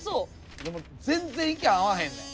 でも全然意見合わへんねん。